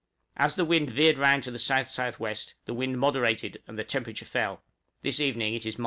As the wind veered round to S.S.W., the wind moderated, and temperature fell: this evening it is 7°.